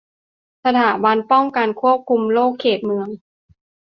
สถาบันป้องกันควบคุมโรคเขตเมือง